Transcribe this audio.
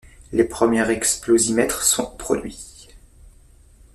Les premiers explosimètres sont produits.